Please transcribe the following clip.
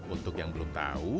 untuk yang belum tahu